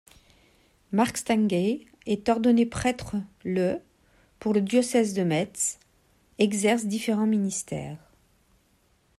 Marc Stenger est ordonné prêtre le pour le diocèse de Metz, exerce différents ministères.